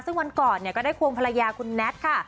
ซึ่งวันก่อนก็ได้ควงภรรยาคุณแนทค่ะ